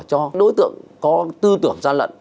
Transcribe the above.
cho đối tượng có tư tưởng gian lận